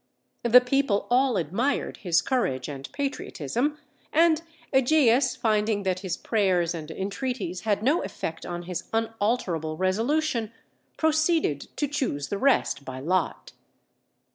The people all admired his courage and patriotism, and Ægeus finding that his prayers and entreaties had no effect on his unalterable resolution, proceeded to choose the rest by lot.